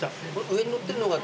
上に載ってるのが。